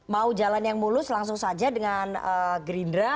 mau jalan yang mulus langsung saja dengan gerindra